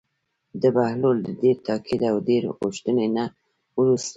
د بهلول د ډېر تاکید او ډېرې غوښتنې نه وروسته.